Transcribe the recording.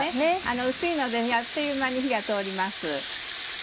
薄いのであっという間に火が通ります。